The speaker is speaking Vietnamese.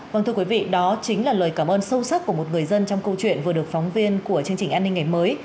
vâng thưa quý vị đó chính là lời cảm ơn sâu sắc của một người dân trong câu chuyện vừa được phóng viên của chương trình an ninh ngày mới